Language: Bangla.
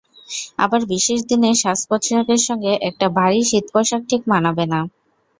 আবার বিশেষ দিনের সাজপোশাকের সঙ্গে একটা ভারী শীতপোশাক ঠিক মানাবে না।